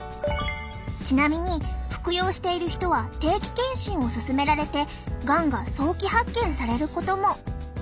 ちなみに服用している人は定期検診を勧められてがんが早期発見されることも。